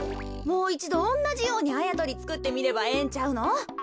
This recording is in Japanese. もういちどおんなじようにあやとりつくってみればええんちゃうの？